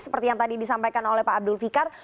seperti yang tadi disampaikan oleh pak abdul fikar